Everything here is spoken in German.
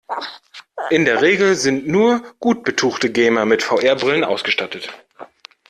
In der Regel sind nur gut betuchte Gamer mit VR-Brillen ausgestattet.